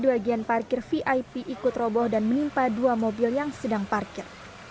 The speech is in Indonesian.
bagian parkir vip ikut roboh dan menimpa dua mobil yang sedang parkir